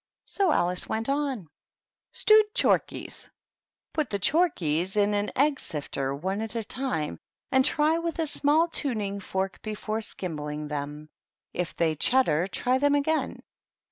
So Alice went on, — ''STEWED CHORKEYS. ^^Put the chorkeys in an egg sifter, one at a timey and try with a small tuning fork before skimbling them. If they chutter, try them again.